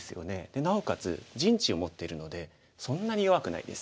なおかつ陣地を持ってるのでそんなに弱くないです。